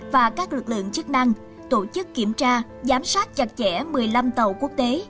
và các lực lượng chức năng tổ chức kiểm tra giám sát chặt chẽ một mươi năm tàu quốc tế